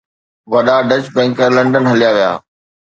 وڏا Dutch banker London هليا ويا